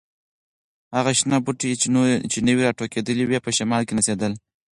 هغه شنه بوټي چې نوي راټوکېدلي وو، په شمال کې نڅېدل.